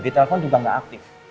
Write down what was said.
di telepon juga gak aktif